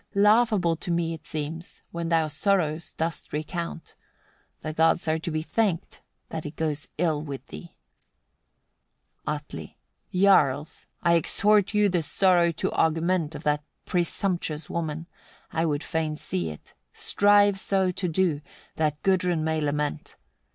Laughable to me it seems, when thou sorrows dost recount. The gods are to be thanked, that it goes ill with thee." Atli. 54. Jarls! I exhort you the sorrow to augment of that presumptuous woman: I would fain see it. Strive so to do, that Gudrun may lament.